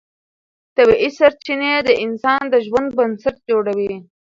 طبیعي سرچینې د انسان د ژوند بنسټ جوړوي